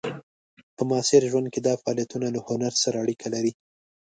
په معاصر ژوند کې دا فعالیتونه له هنر سره اړیکې لري.